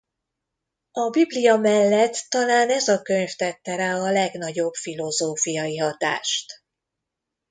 A Biblia mellett talán ez a könyv tette rá a legnagyobb filozófiai hatást.